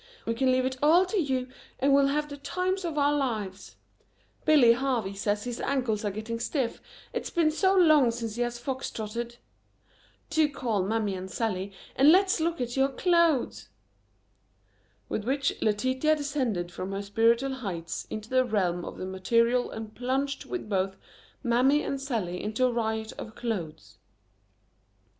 We can leave it all to you and we'll have the times of our lives. Billy Harvey says his ankles are getting stiff, it's been so long since he has fox trotted. Do call Mammy or Sallie and let's look at your clothes." With which Letitia descended from her spiritual heights into the realm of the material and plunged with both Mammy and Sallie into a riot of clothes.